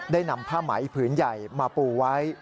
นำผ้าไหมผืนใหญ่มาปูไว้